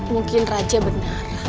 mungkin raja benar